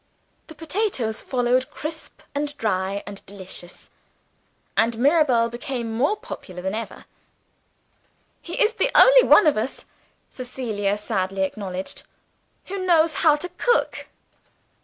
The potatoes followed, crisp and dry and delicious and Mirabel became more popular than ever. "He is the only one of us," Cecilia sadly acknowledged, "who knows how to cook."